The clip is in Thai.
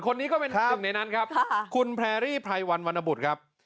คนนี้ก็เป็นหนึ่งในนั้นครับคุณแพรรี่ไพรวันวรรณบุตรครับ